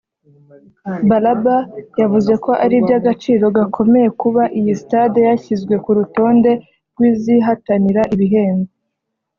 Balaba yavuze ko ari iby’agaciro gakomeye kuba iyi stade yashyizwe ku rutonde rw’izihatanira ibihembo